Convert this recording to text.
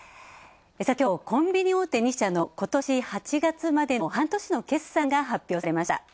きょう、コンビニ大手２社のことし８月までの半年の決算が発表されました。